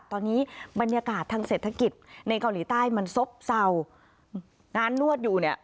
ตอนนี้บรรยากาศทางเศรษฐกิจในเกาหลีใต้มันซบเศร้างานนวดอยู่เนี่ย